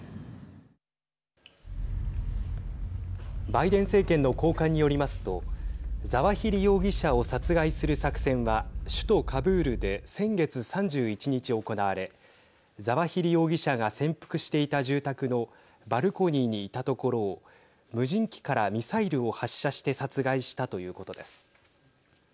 バイデン政権の高官によりますとザワヒリ容疑者を殺害する作戦は首都、カブールで先月３１日、行われザワヒリ容疑者が潜伏していた住宅のバルコニーにいたところを無人機からミサイルを発射して殺害したということです。